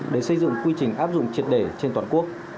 để xây dựng quy trình áp dụng triệt đề trên toàn quốc